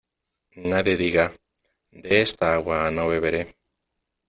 Nadie diga "de esta agua no beberé".